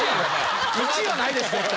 １位はないでしょ絶対。